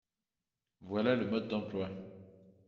Voilà le mode d’emploi